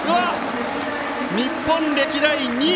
日本歴代２位。